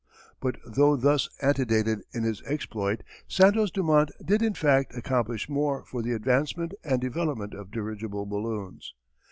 But though thus antedated in his exploit, Santos Dumont did in fact accomplish more for the advancement and development of dirigible balloons.